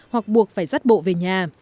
hoặc buộc phải dắt bộ về nhà